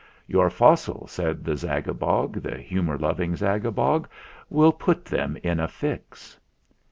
"Your fossil," said the Zagabog, The humour loving Zagabog, "Will put them in a fix!"